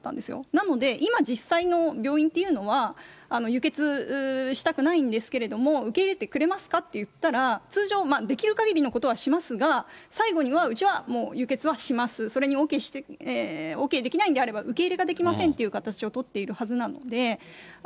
なので、今実際の病院というのは、輸血したくないんですけれども、受け入れてくれますかって言ったら、通常、できるかぎりのことはしますが、最後にはじゃあ、もう輸血はします、それにＯＫできないんであれば、受け入れができませんっていう形を取っているはずなので。